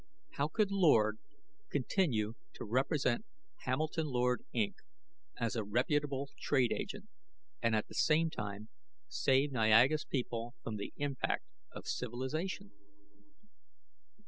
How could Lord continue to represent Hamilton Lord, Inc., as a reputable trade agent, and at the same time save Niaga's people from the impact of civilization?